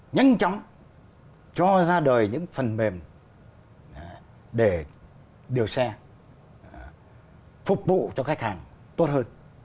nhanh chóng cho ra đời những phần mềm để điều xe phục vụ cho khách hàng tốt hơn